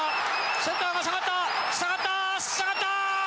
センター下がった、下がった、下がった！